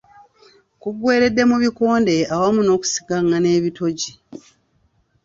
Kuggweeredde mu bikonde awamu n’okusikangana ebitogi.